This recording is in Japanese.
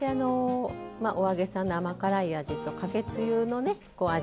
お揚げさんの甘辛い味とかけつゆの味。